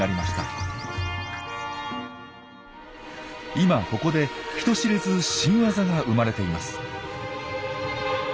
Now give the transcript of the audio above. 今ここで人知れず新ワザが生まれています。